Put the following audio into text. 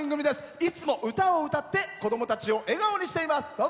いつも歌を歌って子どもたちを笑顔にしています。